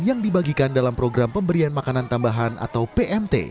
yang dibagikan dalam program pemberian makanan tambahan atau pmt